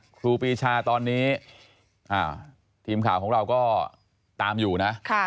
ครูปีชาตอนนี้ทีมข่าวของเราก็ตามอยู่นะ